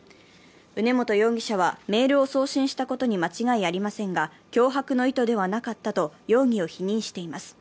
宇根元容疑者はメールを送信したことに間違いありませんが、脅迫の意図ではなかったと容疑を否認しています。